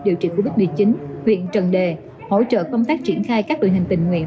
điều trị covid một mươi chín huyện trần đề hỗ trợ công tác triển khai các đội hình tình nguyện